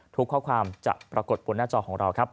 ทุกข้อความจะปรากฏบนหน้าจอของเราครับ